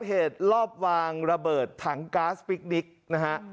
เหตุรอบวางระเบิดถังก๊าซพิกดิกนะฮะ